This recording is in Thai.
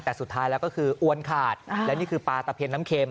แต่สุดท้ายแล้วก็คืออ้วนขาดและนี่คือปลาตะเพียนน้ำเค็ม